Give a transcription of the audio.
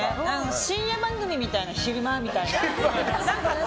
深夜番組みたいな、昼間みたいな。